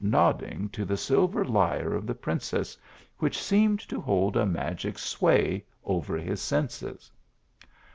129 nodding to the silver lyre of the princess, which seemed to hold a magic sway over his senses.